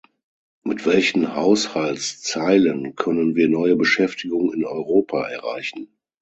Mit welchen Haushaltszeilen können wir neue Beschäftigung in Europa erreichen?